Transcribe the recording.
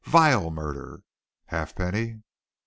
"Vile murder, Halfpenny."